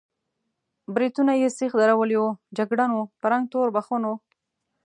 برېتونه یې سېخ درولي وو، جګړن و، په رنګ تور بخون و.